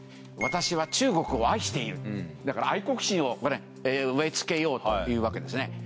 「私は中国を愛している」だから愛国心を植えつけようというわけですね。